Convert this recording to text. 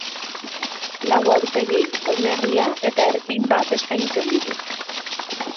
Lau aurpegi, oinarria eta erpin bat eskaintzen ditu.